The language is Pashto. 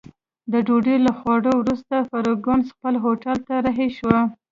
د ډوډۍ له خوړلو وروسته فرګوسن خپل هوټل ته رهي شوه.